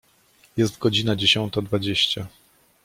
Jest godzina dziesiąta dwadzieścia.